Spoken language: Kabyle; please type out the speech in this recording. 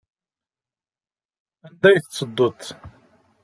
Anda ay tettedduḍ?